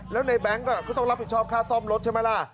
แล้วในแบงค์ก็ต้องรับผิดชอบค่าซ่อมรถใช่ไหมล่ะ